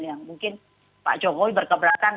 yang mungkin pak jokowi berkeberatan